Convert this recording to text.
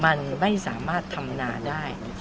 มันไม่สามารถทำนาได้